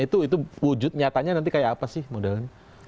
itu wujud nyatanya nanti kayak apa sih modelnya